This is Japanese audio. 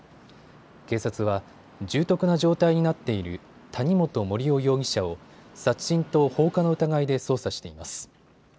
警察は重篤な状態になっている谷本盛雄容疑者を殺人と放火の疑いで捜査しています。